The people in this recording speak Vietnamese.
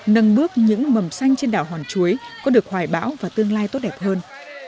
nâng bước những mầm xanh trên đảo hòn chuối có được hoài bão và tương lai tốt đẹp hơn